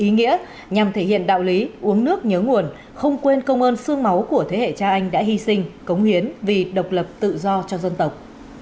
ý nghĩa nhằm thể hiện đạo lý uống nước nhớ nguồn không quên công ơn sương máu của thế hệ cha anh đã hy sinh cống hiến vì độc lập tự do cho dân tộc